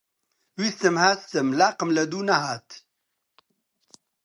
ویستم هەستم، لاقم لەدوو نەهات